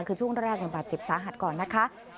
คือช่วงแรกบาดเจ็บสาหัสก่อนนะคะ